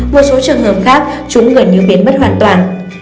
một số trường hợp khác chúng gần như biến mất hoàn toàn